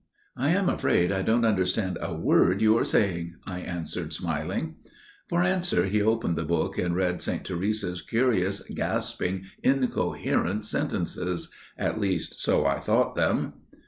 "I am afraid I don't understand a word you are saying," I answered smiling. For answer he opened the book and read Saint Teresa's curious gasping incoherent sentences––at least so I thought them.